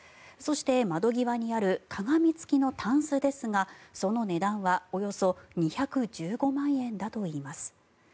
そして窓際にある鏡付きのタンスですがその値段はおよそ２１５万円だといいます。